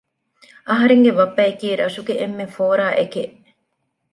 އަހަރެންގެ ބައްޕައަކީ ރަށުގެ އެންމެ ފޯރާއެކެއް